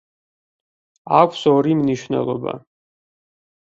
აქვს ორი მნიშვნელობა.